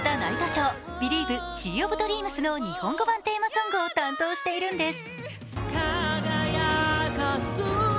シー・オブ・ドリームス」の日本語版テーマソングを担当しているんです。